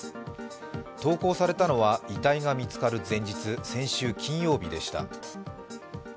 投稿されたのは遺体が見つかる前日、先週金曜日でひた。